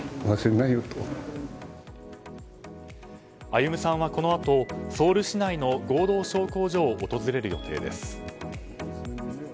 歩さんは、このあとソウル市内の合同焼香所を訪れる予定です。